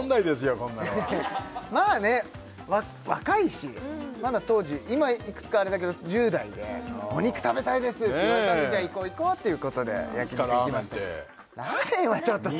こんなのはまあね若いしまだ当時今いくつかあれだけど１０代でお肉食べたいです！って言われたのでじゃあ行こう行こうっていうことで焼き肉行きましたラーメンってラーメンはちょっとさ